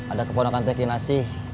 ada keponakan teki nasi